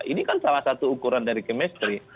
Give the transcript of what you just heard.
ini kan salah satu ukuran dari chemistry